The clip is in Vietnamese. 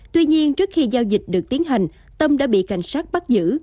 tuy nhiên trước khi giao dịch được tiến hành tâm đã bị cảnh sát bắt giữ